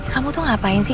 kamu tuh ngapain sih